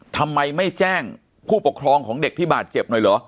ทำไมไม่แจ้งผู้ปกครองของเด็กที่บาดเจ็บหน่อยเหรอ